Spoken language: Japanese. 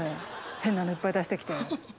変なのいっぱい出して来て。